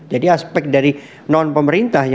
jadi aspek dari non pemerintah